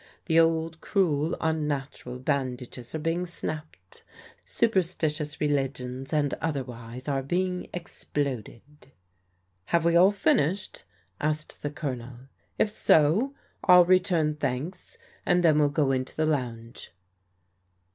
The old cruel, unnatural bandages are being snapped, superstitious religions and otherwise are being exploded." "Have we all finished?*' asked the Colonel; "if so, I'll return thanks, and then we'll go into the lounge."